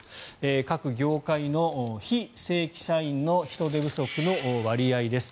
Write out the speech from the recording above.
各業界の非正規社員の人手不足の割合です。